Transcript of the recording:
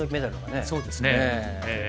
そうですね。